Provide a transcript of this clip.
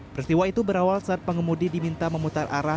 peristiwa itu berawal saat pengemudi diminta memutar arah